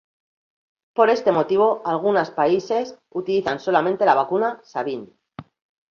Por este motivo, algunos países utilizan solamente la vacuna Sabin.